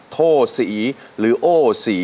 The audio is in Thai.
โทษสีหรือโอ้สี